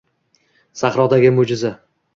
Sahrodagi mo‘jiza